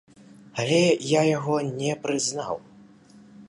Але я яго не прызнаў.